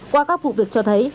qua các vụ việc cho thấy